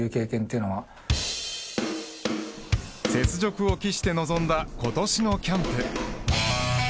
雪辱を期して臨んだ今年のキャンプ。